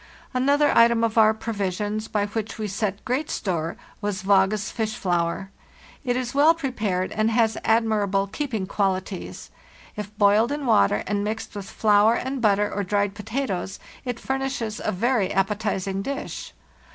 Another item of cur provisions, by which we set great store, was Vage's fish flour. It is well prepared and has admirable keeping qualities; if boiled in water and mixed with flour and butter or dried potatoes, it furnishes a very appetizing dish.